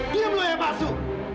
diam lu ya pak su